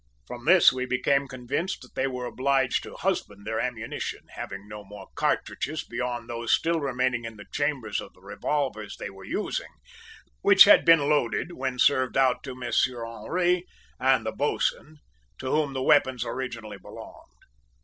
"From this we became convinced that they were obliged to husband their ammunition, having no more cartridges beyond those still remaining in the chambers of the revolvers they were using, which had been loaded when served out to Monsieur Henri and the boatswain, to whom the weapons originally belonged.